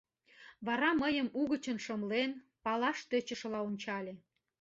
Вара мыйым угычын шымлен, палаш тӧчышыла ончале.